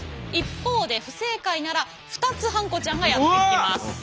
一方で不正解なら２つハンコちゃんがやって来ます。